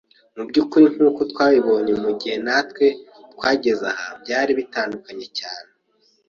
Mubyukuri, nkuko twabibonye mugihe natwe twageze aho, byari bitandukanye cyane.